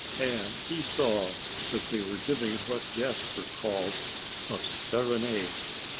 And he saw that they were giving what Jasper called "a serenade."